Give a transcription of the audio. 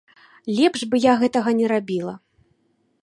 Лепш бы я гэтага не рабіла.